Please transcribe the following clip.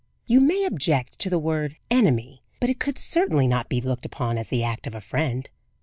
You may object to the word "enemy," but it could certainly not be looked upon as the act of a friend.